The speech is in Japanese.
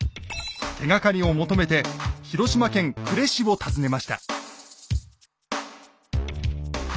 手がかりを求めて広島県呉市を訪ねました。